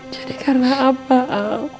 jadi karena apa al